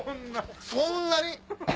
そんなに？